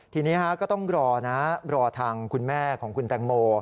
ทีนี้ก็ต้องรอนะรอทางคุณแม่ของคุณแตงโม